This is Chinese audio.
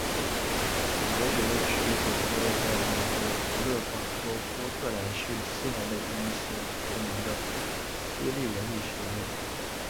里德学院是一所坐落在美国俄勒冈州波特兰市西南的一所著名的私立文理学院。